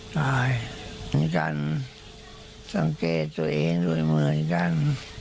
ตายกันสังเกตตัวเองด้วยมือกัน